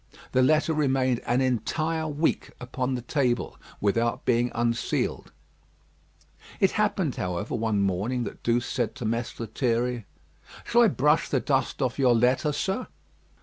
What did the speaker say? The letter remained an entire week upon the table without being unsealed. It happened, however, one morning that Douce said to Mess Lethierry: "Shall I brush the dust off your letter, sir?"